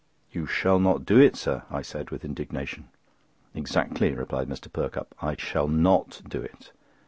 "You shall not do it, sir," I said with indignation. "Exactly," replied Mr. Perkupp; "I shall not do it.